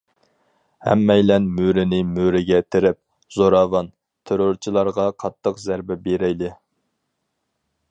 ھەممەيلەن مۈرىنى مۈرىگە تىرەپ، زوراۋان، تېررورچىلارغا قاتتىق زەربە بېرەيلى!